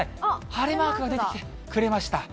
晴れマークが出てきてくれました。